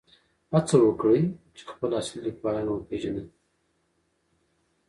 هڅه وکړئ چې خپل اصلي لیکوالان وپېژنئ.